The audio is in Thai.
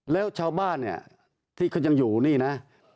แล้วชาวบ้านเนี่ยที่เขายังอยู่นี่นะ